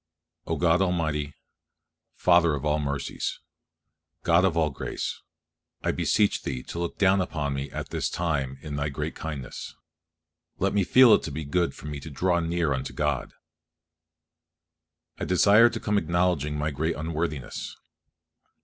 O God Almighty, Father of all mercies, God of all grace, I beseech Thee to look down upon me at this time in Thy great kindness; let me feel it to be good for me to draw near unto God. I desire to come acknowledging my great unworthiness.